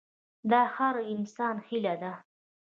دا د هر انسان هیله ده.